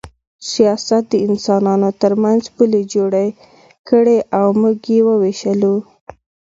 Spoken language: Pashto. سیاست د انسانانو ترمنځ پولې جوړې کړې او موږ یې ووېشلو